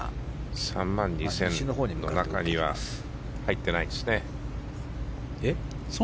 ３万２０００人の中には入ってないですね。